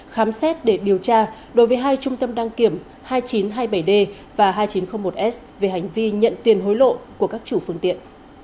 khám xét để điều tra đối với hai trung tâm đăng kiểm hai nghìn chín trăm hai mươi bảy d và hai nghìn chín trăm linh một s về hành vi nhận tiền hối lộ của các chủ phương tiện